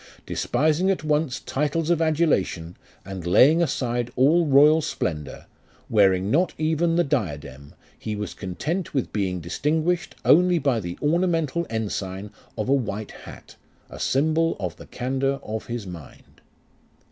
Despising at once titles of adulation, And laying aside all royal splendour, Wearing not even the diadem, He was content with being distinguish'd Only by the ornamental ensign Of a white hat ; A symbol of the candour of his mind.